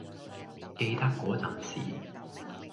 記得嗰陣時